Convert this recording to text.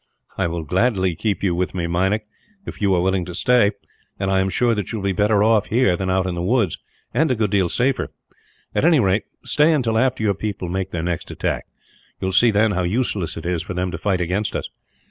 "I will gladly keep you with me, Meinik, if you are willing to stay; and I am sure that you will be better off, here, than out in the woods, and a good deal safer. At any rate, stay until after your people make their next attack. You will see then how useless it is for them to fight against us.